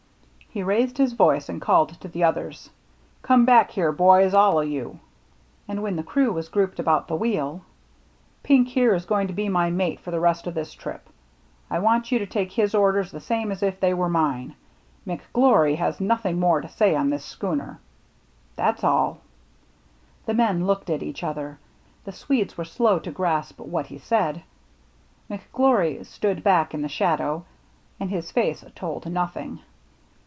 He raised his voice and called to the others. " Come back here, boys, all o' you." And when the crew was grouped about the wheel :" Pink, here, is going to be my mate for the rest o' this trip. I want you to take his orders the same as if they were mine. McGlory has nothing more to say on this schooner. That's all." The men looked at each other. The Swedes were slow to grasp what was said. McGlory stood back in the shadow, and his face told nothing.